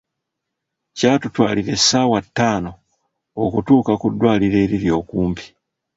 Kyatutwalira essaawa ttaano okutuuka ku ddwaliro eriri okumpi.